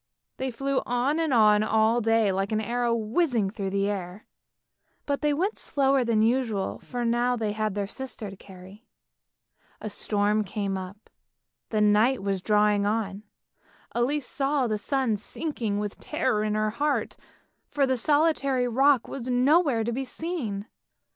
They flew on and on all day like an arrow whizzing through the air, but they went slower than usual, for now they had their sister to carry. A storm came up, and night was drawing on; Elise saw the sun sinking with terror in her heart, for the solitary rock was nowhere to be seen.